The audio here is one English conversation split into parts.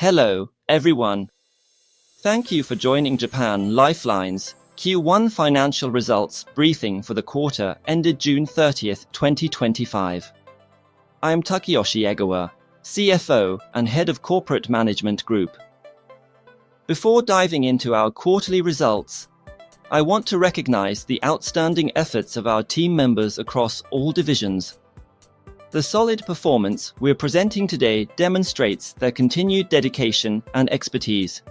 Hello, everyone. Thank you for joining Japan Lifeline's Q1 financial results briefing for the quarter ended June 30, 2025. I am Takeyoshi Egawa, CFO and Head of Corporate Management Group. Before diving into our quarterly results, I want to recognize the outstanding efforts of our team members across all divisions. The solid performance we're presenting today demonstrates their continued dedication and expertise.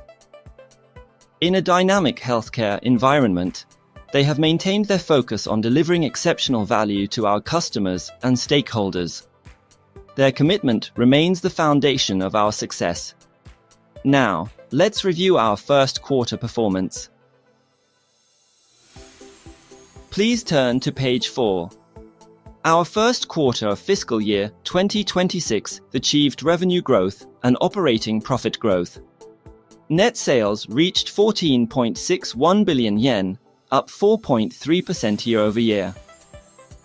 In a dynamic healthcare environment, they have maintained their focus on delivering exceptional value to our customers and stakeholders. Their commitment remains the foundation of our success. Now, let's review our first quarter performance. Please turn to page four. Our first quarter of fiscal year 2026 achieved revenue growth and operating profit growth. Net sales reached 14.61 billion yen, up 4.3% year-over-year.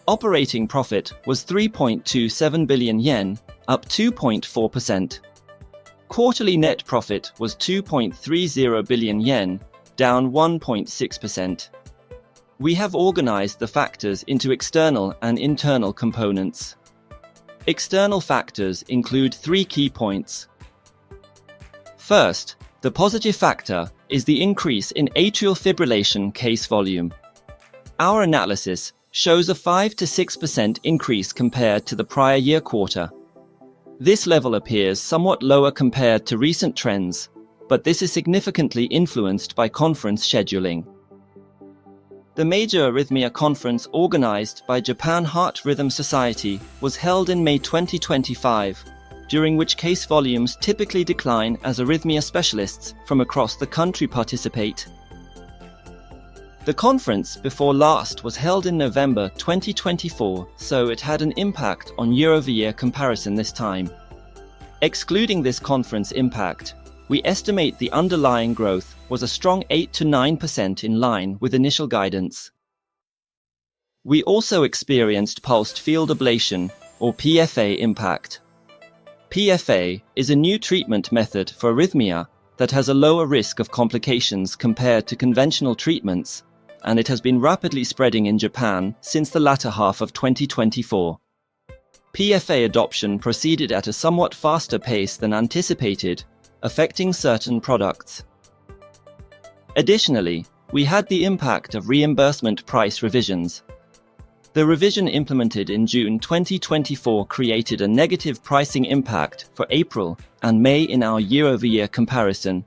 Operating profit was 3.27 billion yen, up 2.4%. Quarterly net profit was 2.30 billion yen, down 1.6%. We have organized the factors into external and internal components. External factors include three key points. First, the positive factor is the increase in atrial fibrillation case volume. Our analysis shows a 5%-6% increase compared to the prior year quarter. This level appears somewhat lower compared to recent trends, but this is significantly influenced by conference scheduling. The major arrhythmia conference organized by Japan Heart Rhythm Society was held in May 2025, during which case volumes typically decline as arrhythmia specialists from across the country participate. The conference before last was held in November 2024, so it had an impact on year-over-year comparison this time. Excluding this conference impact, we estimate the underlying growth was a strong 8%-9% in line with initial guidance. We also experienced pulsed field ablation, or PFA, impact. PFA is a new treatment method for arrhythmia that has a lower risk of complications compared to conventional treatments, and it has been rapidly spreading in Japan since the latter half of 2024. PFA adoption proceeded at a somewhat faster pace than anticipated, affecting certain products. Additionally, we had the impact of reimbursement price revisions. The revision implemented in June 2024 created a negative pricing impact for April and May in our year-over-year comparison.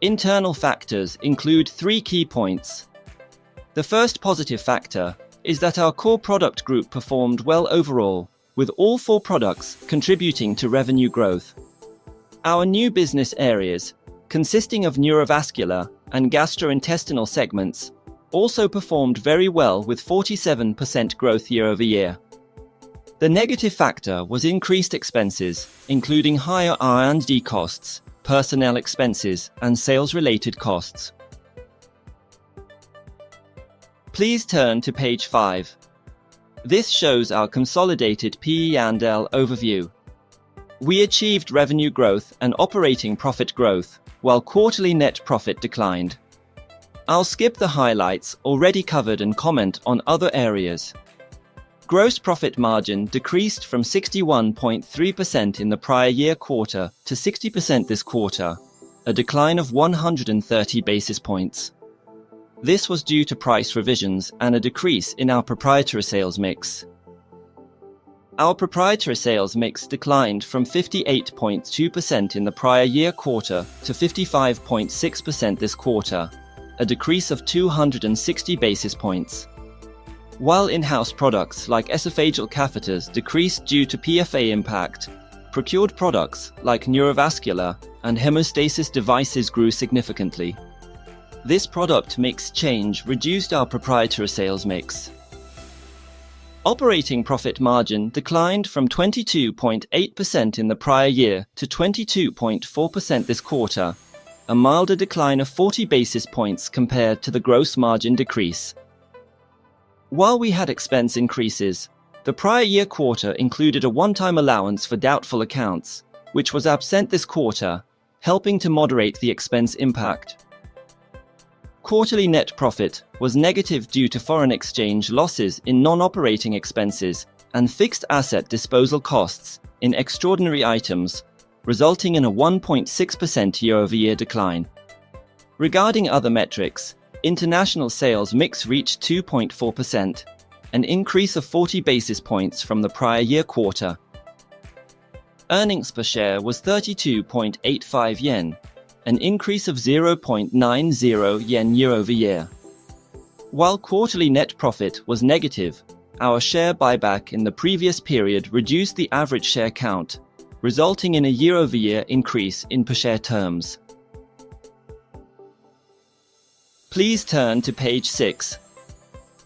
Internal factors include three key points. The first positive factor is that our core product group performed well overall, with all four products contributing to revenue growth. Our new business areas, consisting of neurovascular and gastrointestinal segments, also performed very well with 47% growth year-over-year. The negative factor was increased expenses, including higher R&D costs, personnel expenses, and sales-related costs. Please turn to page five. This shows our consolidated P/E overview. We achieved revenue growth and operating profit growth, while quarterly net profit declined. I'll skip the highlights already covered and comment on other areas. Gross profit margin decreased from 61.3% in the prior year quarter to 60% this quarter, a decline of 130 basis points. This was due to price revisions and a decrease in our proprietary sales mix. Our proprietary sales mix declined from 58.2% in the prior year quarter to 55.6% this quarter, a decrease of 260 basis points. While in-house products like esophageal catheters decreased due to PFA impact, procured products like neurovascular and hemostasis devices grew significantly. This product mix change reduced our proprietary sales mix. Operating profit margin declined from 22.8% in the prior year to 22.4% this quarter, a milder decline of 40 basis points compared to the gross margin decrease. While we had expense increases, the prior year quarter included a one-time allowance for doubtful accounts, which was absent this quarter, helping to moderate the expense impact. Quarterly net profit was negative due to foreign exchange losses in non-operating expenses and fixed asset disposal costs in extraordinary items, resulting in a 1.6% year-over-year decline. Regarding other metrics, international sales mix reached 2.4%, an increase of 40 basis points from the prior year quarter. Earnings per share was 32.85 yen, an increase of 0.90 yen year-over-year. While quarterly net profit was negative, our share buyback in the previous period reduced the average share count, resulting in a year-over-year increase in per-share terms. Please turn to page six.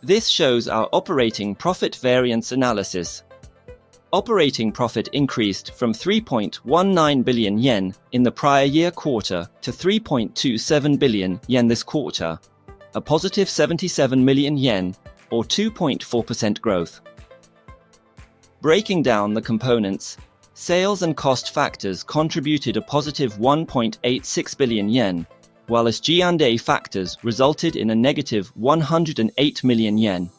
This shows our operating profit variance analysis. Operating profit increased from 3.19 billion yen in the prior year quarter to 3.27 billion yen this quarter, 77 million yen, or 2.4% growth. Breaking down the components, sales and cost factors contributed +1.86 billion yen, while SG&A factors resulted in a -108 million yen.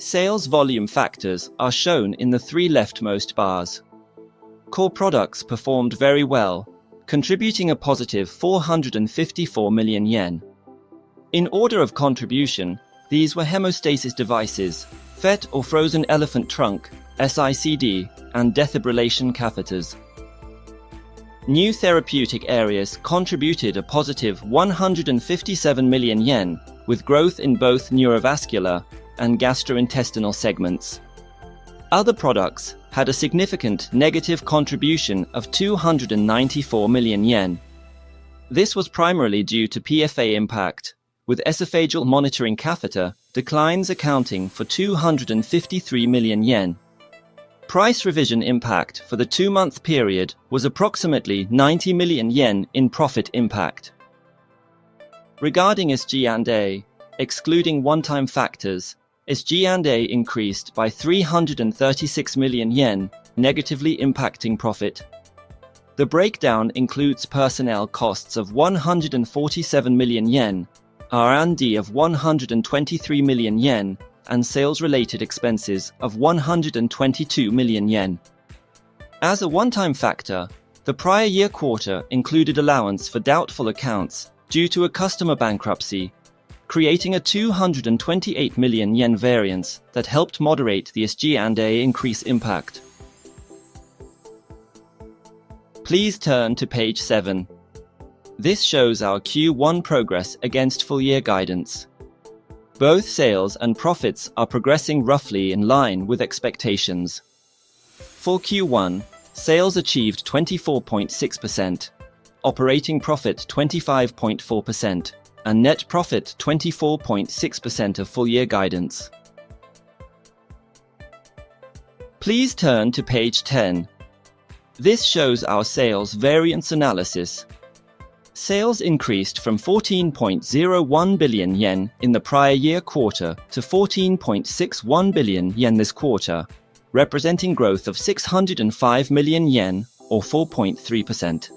Sales volume factors are shown in the three leftmost bars. Core products performed very well, contributing a +454 million yen. In order of contribution, these were femoral vein hemostasis devices, frozen elephant trunk, and defibrillation catheters. New therapeutic areas contributed +157 million yen, with growth in both neurovascular and gastrointestinal segments. Other products had a significant negative contribution of 294 million yen. This was primarily due to pulsed field ablation (PFA) impact, with esophageal monitoring catheter declines accounting for 253 million yen. Price revision impact for the two-month period was approximately 90 million yen in profit impact. Regarding SG&A, excluding one-time factors, SG&A increased by 336 million yen, negatively impacting profit. The breakdown includes personnel costs of 147 million yen, R&D of 123 million yen, and sales-related expenses of 122 million yen. As a one-time factor, the prior year quarter included allowance for doubtful accounts due to a customer bankruptcy, creating a 228 million yen variance that helped moderate the SG&A increase impact. Please turn to page seven. This shows our Q1 progress against full-year guidance. Both sales and profits are progressing roughly in line with expectations. For Q1, sales achieved 24.6%, operating profit 25.4%, and net profit 24.6% of full-year guidance. Please turn to page 10. This shows our sales variance analysis. Sales increased from 14.01 billion yen in the prior year quarter to 14.61 billion yen this quarter, representing growth of 605 million yen, or 4.3%.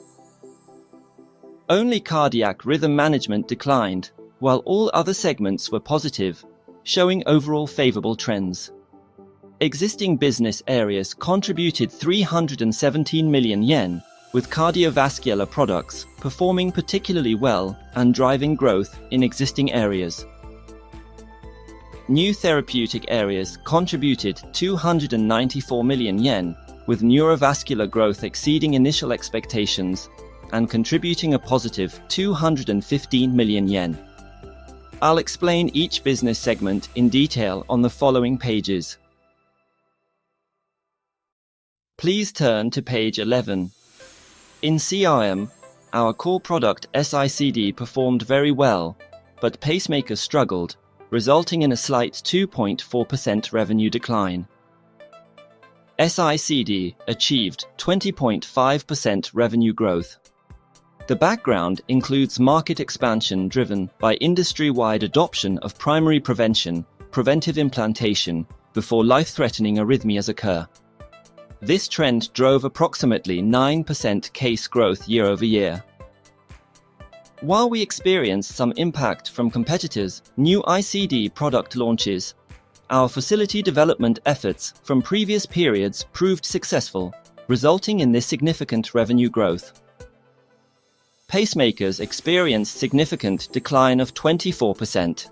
Only cardiac rhythm management declined, while all other segments were positive, showing overall favorable trends. Existing business areas contributed 317 million yen, with cardiovascular products performing particularly well and driving growth in existing areas. New therapeutic areas contributed 294 million yen, with neurovascular growth exceeding initial expectations and contributing 215 million yen. I'll explain each business segment in detail on the following pages. Please turn to page 11. In CRM, our core product S-ICD) performed very well, but pacemaker struggled, resulting in a slight 2.4% revenue decline. S-ICD achieved 20.5% revenue growth. The background includes market expansion driven by industry-wide adoption of primary prevention, preventive implantation before life-threatening arrhythmias occur. This trend drove approximately 9% case growth year-over-year. While we experienced some impact from competitors' new ICD product launches, our facility development efforts from previous periods proved successful, resulting in this significant revenue growth. Pacemakers experienced a significant decline of 24%.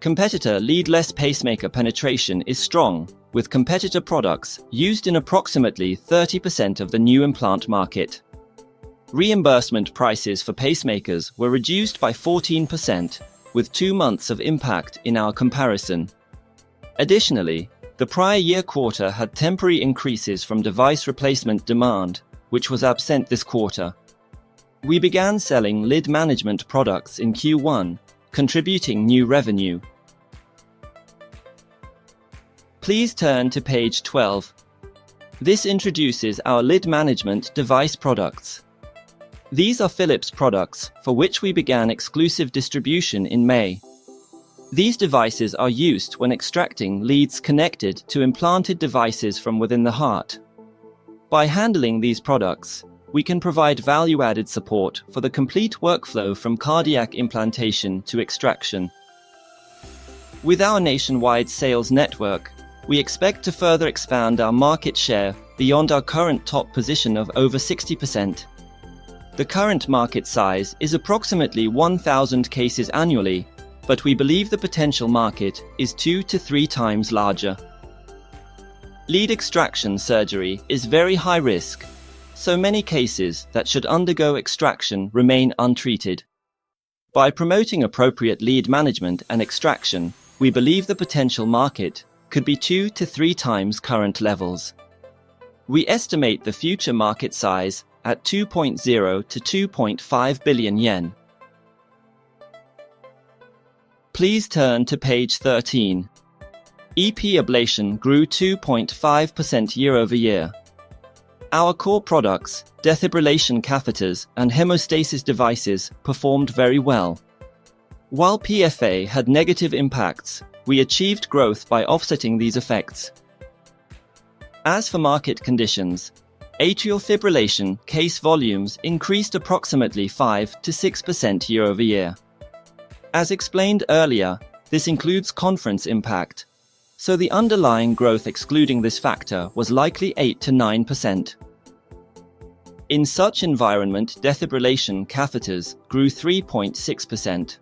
Competitor leadless pacemaker penetration is strong, with competitor products used in approximately 30% of the new implant market. Reimbursement prices for pacemakers were reduced by 14%, with two months of impact in our comparison. Additionally, the prior year quarter had temporary increases from device replacement demand, which was absent this quarter. We began selling lead management products in Q1, contributing new revenue. Please turn to page 12. This introduces our lead management device products. These are Philips products for which we began exclusive distribution in May. These devices are used when extracting leads connected to implanted devices from within the heart. By handling these products, we can provide value-added support for the complete workflow from cardiac implantation to extraction. With our nationwide sales network, we expect to further expand our market share beyond our current top position of over 60%. The current market size is approximately 1,000 cases annually, but we believe the potential market is 2x-3x larger. Lead extraction surgery is very high-risk, so many cases that should undergo extraction remain untreated. By promoting appropriate lead management and extraction, we believe the potential market could be 2x-3x current levels. We estimate the future market size at 2.0-2.5 billion yen. Please turn to page 13. EP ablation grew 2.5% year-over-year. Our core products, defibrillation catheters, and hemostasis devices performed very well. While PFA had negative impacts, we achieved growth by offsetting these effects. As for market conditions, atrial fibrillation case volumes increased approximately 5%-6% year-over-year. As explained earlier, this includes conference impact, so the underlying growth excluding this factor was likely 8%-9%. In such environment, defibrillation catheters grew 3.6%.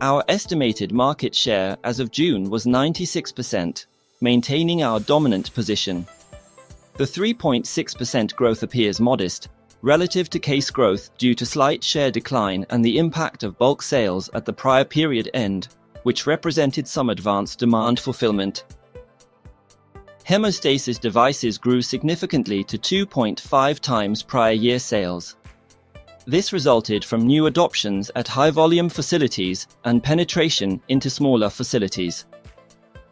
Our estimated market share as of June was 96%, maintaining our dominant position. The 3.6% growth appears modest relative to case growth due to slight share decline and the impact of bulk sales at the prior period end, which represented some advanced demand fulfillment. Hemostasis devices grew significantly to 2.5x prior year sales. This resulted from new adoptions at high-volume facilities and penetration into smaller facilities.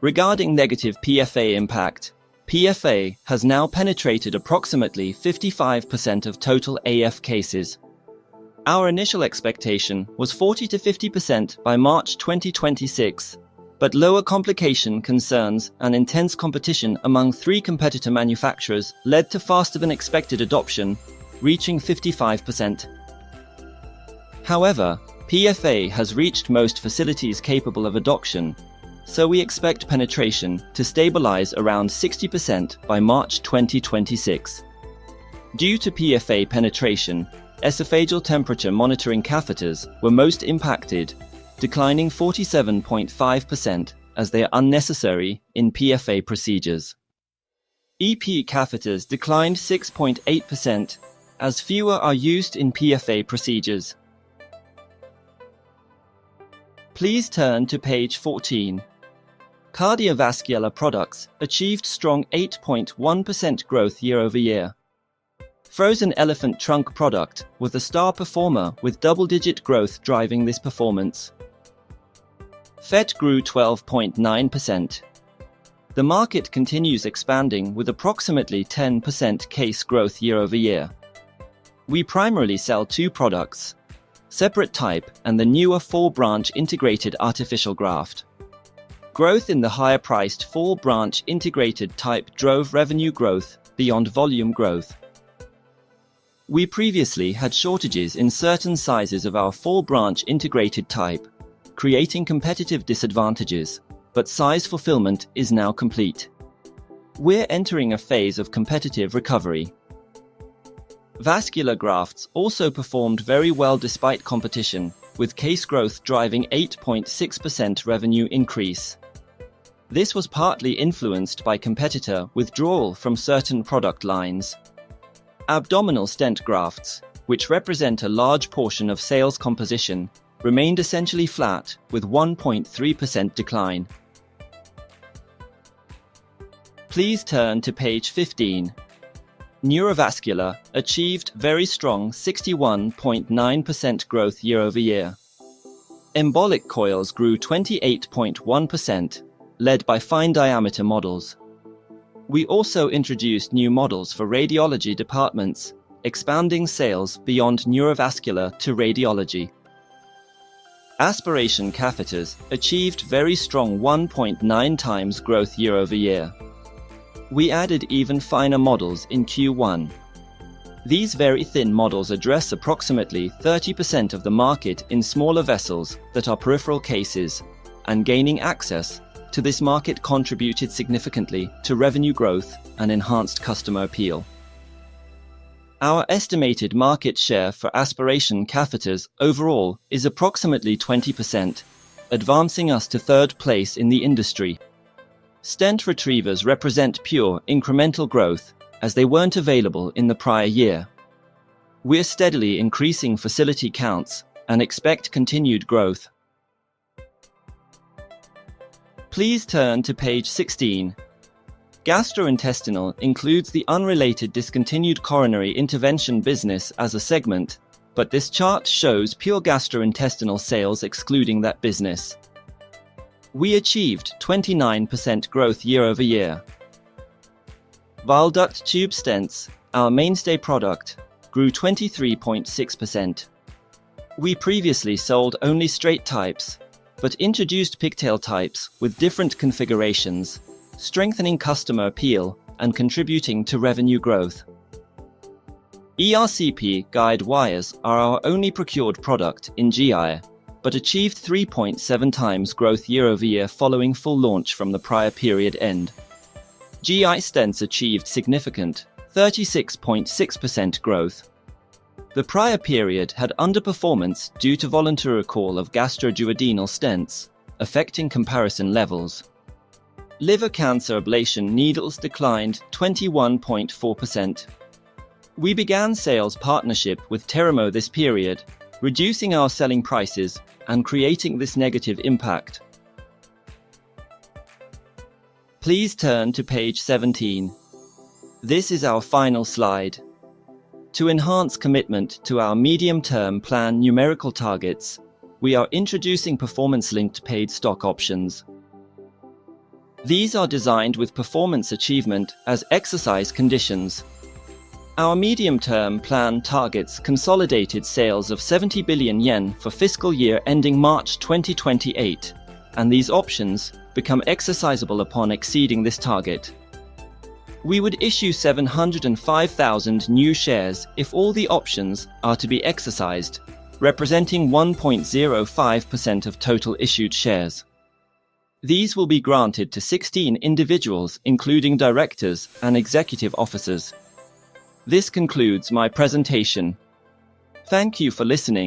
Regarding negative PFA impact, PFA has now penetrated approximately 55% of total AF cases. Our initial expectation was 40-50% by March 2026, but lower complication concerns and intense competition among three competitor manufacturers led to faster-than-expected adoption, reaching 55%. However, PFA has reached most facilities capable of adoption, so we expect penetration to stabilize around 60% by March 2026. Due to PFA penetration, esophageal temperature monitoring catheters were most impacted, declining 47.5% as they are unnecessary in PFA procedures. EP catheters declined 6.8% as fewer are used in PFA procedures. Please turn to page 14. Cardiovascular products achieved strong 8.1% growth year-over-year. Frozen elephant trunk product was a star performer with double-digit growth driving this performance. Fed grew 12.9%. The market continues expanding with approximately 10% case growth year-over-year. We primarily sell two products, separate type and the newer four-branch integrated artificial graft. Growth in the higher-priced four-branch integrated type drove revenue growth beyond volume growth. We previously had shortages in certain sizes of our four-branch integrated type, creating competitive disadvantages, but size fulfillment is now complete. We're entering a phase of competitive recovery. Vascular grafts also performed very well despite competition, with case growth driving 8.6% revenue increase. This was partly influenced by competitor withdrawal from certain product lines. Abdominal stent grafts, which represent a large portion of sales composition, remained essentially flat with 1.3% decline. Please turn to page 15. Neurovascular achieved very strong 61.9% growth year-over-year. Embolic coils grew 28.1%, led by fine diameter models. We also introduced new models for radiology departments, expanding sales beyond neurovascular to radiology. Aspiration catheters achieved very strong 1.9x growth year-over-year. We added even finer models in Q1. These very thin models address approximately 30% of the market in smaller vessels that are peripheral cases, and gaining access to this market contributed significantly to revenue growth and enhanced customer appeal. Our estimated market share for aspiration catheters overall is approximately 20%, advancing us to third place in the industry. Stent retrievers represent pure incremental growth as they weren't available in the prior year. We're steadily increasing facility counts and expect continued growth. Please turn to page 16. Gastrointestinal includes the unrelated discontinued coronary intervention business as a segment, but this chart shows pure gastrointestinal sales excluding that business. We achieved 29% growth year-over-year. Bile duct tube stents, our mainstay product, grew 23.6%. We previously sold only straight types, but introduced pigtail types with different configurations, strengthening customer appeal and contributing to revenue growth. ERCP guide wires are our only procured product in GI, but achieved 3.7x growth year-over-year following full launch from the prior period end. GI stents achieved significant 36.6% growth. The prior period had underperformance due to voluntary recall of gastroduodenal stents, affecting comparison levels. Liver cancer ablation needles declined 21.4%. We began sales partnership with Terumo this period, reducing our selling prices and creating this negative impact. Please turn to page 17. This is our final slide. To enhance commitment to our medium-term plan numerical targets, we are introducing performance-linked paid stock options. These are designed with performance achievement as exercise conditions. Our medium-term plan targets consolidated sales of 70 billion yen for fiscal year ending March 2028, and these options become exercisable upon exceeding this target. We would issue 705,000 new shares if all the options are to be exercised, representing 1.05% of total issued shares. These will be granted to 16 individuals, including Directors and Executive Officers. This concludes my presentation. Thank you for listening.